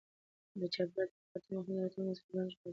د چاپیریال د ککړتیا مخنیوی د راتلونکي نسل ژوند ژغورل دي.